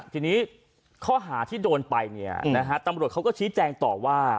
ทีนี้ข้อหาที่โดนไปตำรวจเขาก็ชี้แจงต่อว่า